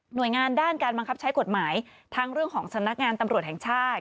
โดยงานด้านการบังคับใช้กฎหมายทั้งเรื่องของสำนักงานตำรวจแห่งชาติ